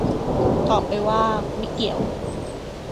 ตอบไปว่า "ไม่เกี่ยว"